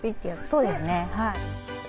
そうですねはい。